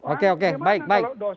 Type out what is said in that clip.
oke oke baik baik